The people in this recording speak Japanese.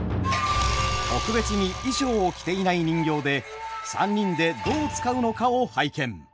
特別に衣装を着ていない人形で３人でどう遣うのかを拝見。